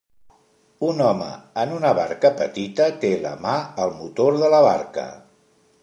Un home en una barca petita té la mà al motor de la barca.